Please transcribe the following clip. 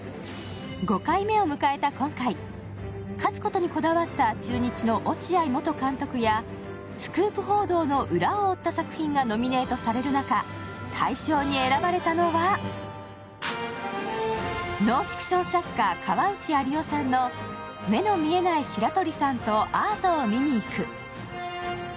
５回目を迎えた今回、勝つことにこだわった中日の落合元監督やスクープ報道の裏を追った作品がノミネートされる中、大賞に選ばれたのはノンフィクション作家川内有緒さんの「目の見えない白鳥さんとアートを見に行く」。